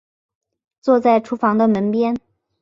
坐在厨房的门边